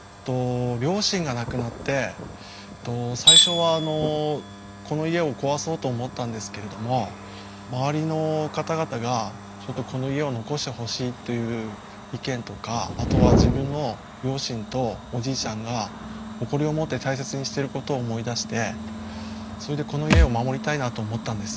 両親が亡くなって最初はあのこの家を壊そうと思ったんですけれども周りの方々がちょっとこの家を残してほしいという意見とかあとは自分の両親とおじいちゃんが誇りを持って大切にしてることを思い出してそれでこの家を守りたいなと思ったんです。